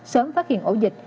sớm phát hiện ổ dịch